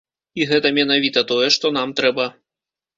І гэта менавіта тое, што нам трэба.